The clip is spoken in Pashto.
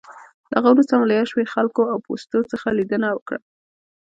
له هغه وروسته مو له یو شمېر خلکو او پوستو څخه لېدنه وکړه.